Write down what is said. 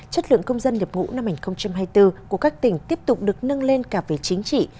chất lượng công dân nhập ngũ năm hai nghìn hai mươi bốn của các tỉnh tiếp tục được nâng lên cả về chính trị